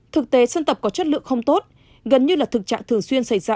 thực tế sân tập có chất lượng không tốt gần như là thực trạng thường xuyên xảy ra